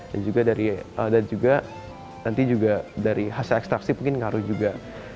dan juga dari dan juga nanti juga dari hasil ekstraksi mungkin ngaruh juga